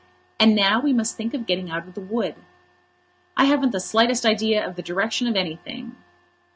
"And now we must think of getting out of the wood." "I haven't the slightest idea of the direction of anything."